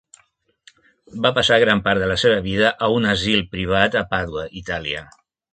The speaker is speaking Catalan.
Va passar gran part de la seva vida a un asil privat a Pàdua, Itàlia.